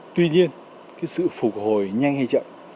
tuy nhiên cái sự phục hồi nhanh hay chậm